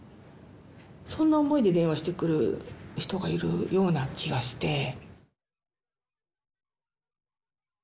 そんな思いで電話してくる人がいるような気がして。